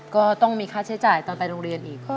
ก็ต้องมีค่าใช้จ่ายตอนไปโรงเรียนอีก